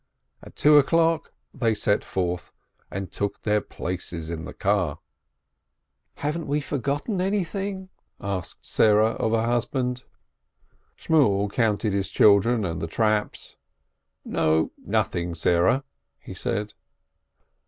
At two o'clock they set forth, and took their places in the car. A PICNIC 361 "Haven't we forgotten anything?" asked Sarah of her husband. Shimiel counted his children and the traps. "No, nothing, Sarah !" he said.